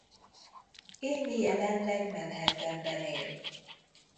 Amy jelenleg Manhattanben él.